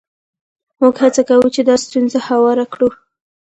موږ هڅه کوو چې دا ستونزه هواره کړو.